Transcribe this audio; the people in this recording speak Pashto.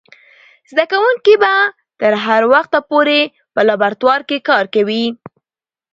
زده کوونکې به تر هغه وخته پورې په لابراتوار کې کار کوي.